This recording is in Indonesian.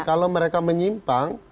kalau mereka menyimpang